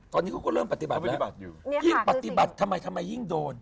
ตอนนี้เขาก็เริ่มปฏิบัติแล้วยิ่งปฏิบัติทำไมทำไมยิ่งโดน